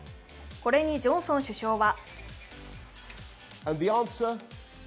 これにジョンソン首相は。